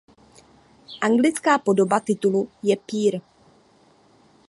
Anglická podoba titulu je peer.